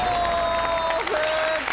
正解！